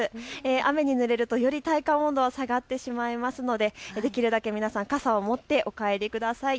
雨にぬれるとより体感温度が下がってしまいますのでできるだけ皆さん、傘を持ってお帰りください。